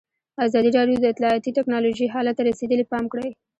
ازادي راډیو د اطلاعاتی تکنالوژي حالت ته رسېدلي پام کړی.